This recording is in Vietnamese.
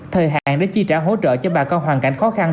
thời hạn để chi trả hỗ trợ cho bà con hoàn cảnh khó khăn